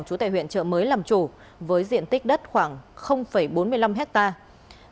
chủ tại huyện chợ mới làm chủ với diện tích đất khoảng bốn mươi năm hectare